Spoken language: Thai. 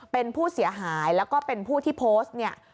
เป็นผู้เสียหายแล้วก็เป็นผู้ที่โพสต์เนี่ย